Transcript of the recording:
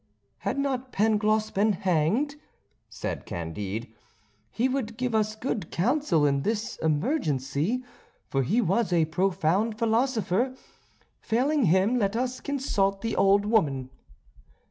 "Had not Pangloss been hanged," said Candide, "he would give us good counsel in this emergency, for he was a profound philosopher. Failing him let us consult the old woman."